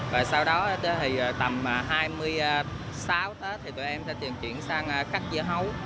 và sau đó thì tầm hai mươi sáu tết thì tụi em sẽ chuyển sang khắc dẻ hấu